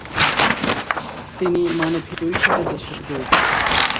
তিনি মানবহিতৈষী কাজের সাথে জড়িত।